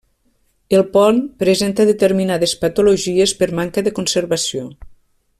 El pont presenta determinades patologies per manca de conservació.